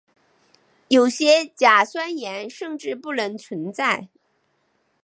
有些甲酸盐甚至不能存在。